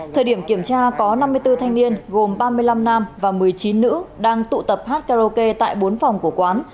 thời điểm kiểm tra có năm mươi bốn thanh niên gồm ba mươi năm nam và một mươi chín nữ đang tụ tập hát karaoke tại bốn phòng của quán